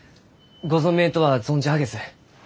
ご存命とは存じ上げず。